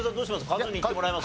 カズにいってもらいます？